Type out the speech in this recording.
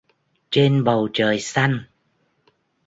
Trên bầu trời xanh